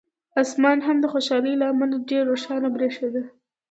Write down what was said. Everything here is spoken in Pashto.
اسمان هم د خوشالۍ له امله ډېر روښانه برېښېده.